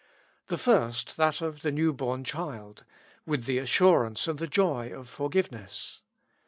The first, that of the new born child, with the assurance and the joy of forgiveness.